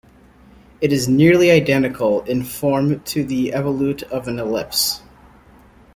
It is nearly identical in form to the evolute of an ellipse.